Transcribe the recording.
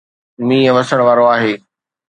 مينهن وسڻ وارو آهي